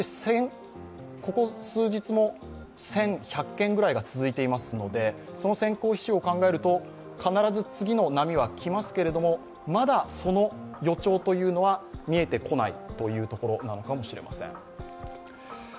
ここ数日も１００件ぐらいが続いていますので、その指標を考えると、必ず次の波は来ますがまだその予兆は見えてこないというところなのかもしれません。